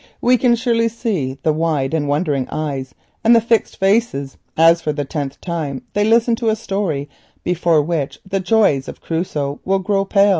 We can see their wide wondering eyes and fixed faces, as for the tenth time they listen to a story before which the joys of Crusoe will grow pale.